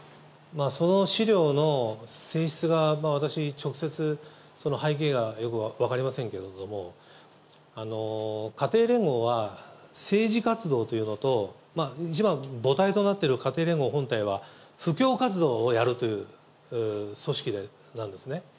その資料の性質が私、直接、背景がよく分かりませんけれども、家庭連合は、政治活動というのと、一番母体となっている家庭連合本体は、布教活動をやるという組織なんですね。